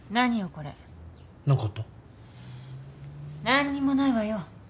何にもないわよ。